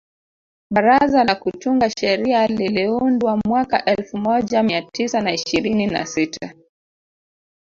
Baraza la kutunga sheria liliundwa mwaka elfu moja mia tisa na ishirini na sita